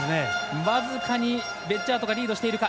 僅かにベッジャートがリードしているか。